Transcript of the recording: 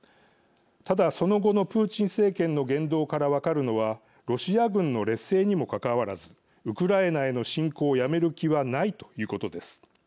ただ、その後のプーチン政権の言動から分かるのはロシア軍の劣勢にもかかわらずウクライナへの侵攻をやめる気はないということです。